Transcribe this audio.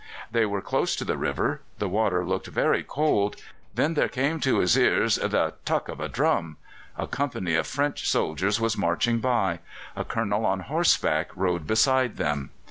They were close to the river: the water looked very cold. Then there came to his ears the "tuck" of a drum. A company of French soldiers was marching by; a Colonel on horseback rode beside them.